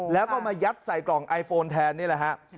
แล้วก็มายัดใส่กล่องไอโฟนแทนนี่แหละฮะ